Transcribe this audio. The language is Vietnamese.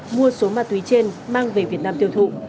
mua số ma túy trên mang về việt nam tiêu thụ